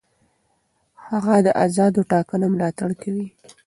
هغه د آزادو ټاکنو ملاتړ کوي.